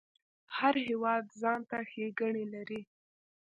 هر هیواد ځانته ښیګڼی لري